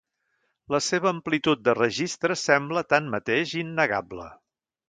La seva amplitud de registres sembla, tanmateix, innegable.